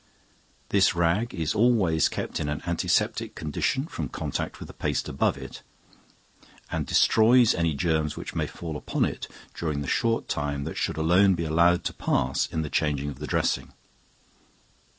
This rag is always kept in an antiseptic condition from contact with the paste above it, and destroys any germs which may fall upon it during the short time that should alone be allowed to pass in the changing of the dressing.